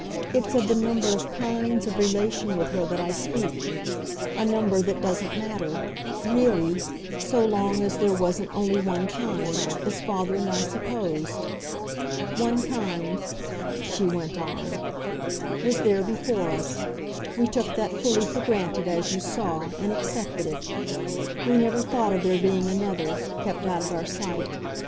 It's of the number of KINDS of relation with her that I speak a number that doesn't matter, really, so long as there wasn't only one kind, as father and I supposed. One kind," she went on, "was there before us; we took that fully for granted, as you saw, and accepted it. We never thought of there being another, kept out of our sight.